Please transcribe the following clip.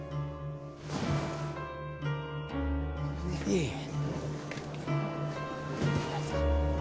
いえいえ